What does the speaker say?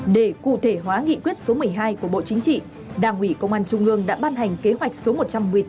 để cụ thể hóa nghị quyết số một mươi hai của bộ chính trị đảng ủy công an trung ương đã ban hành kế hoạch số một trăm một mươi tám